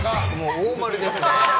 大○ですね。